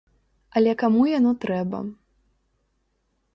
Але каму яно трэба?